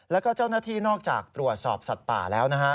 แล้วก็เจ้าหน้าที่นอกจากตรวจสอบสัตว์ป่าแล้วนะฮะ